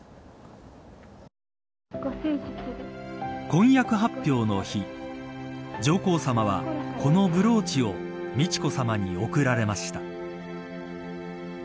婚約発表の日上皇さまはこのブローチを美智子さまに贈られました。